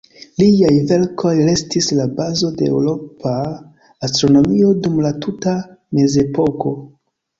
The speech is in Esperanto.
Liaj verkoj restis la bazo de eŭropa astronomio dum la tuta mezepoko.